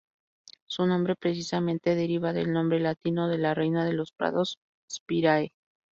Su nombre precisamente deriva del nombre latino de la reina de los prados: "Spiraea".